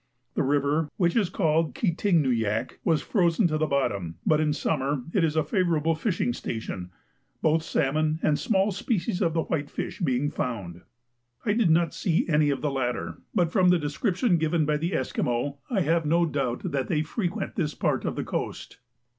The river, which is called Ki ting nu yak, was frozen to the bottom, but in summer it is a favourable fishing station, both salmon and a small species of the white fish being found. I did not see any of the latter, but from the description given by the Esquimaux I have no doubt that they frequent this part of the coast.